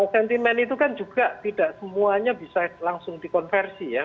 sentimen itu kan juga tidak semuanya bisa langsung dikonversi ya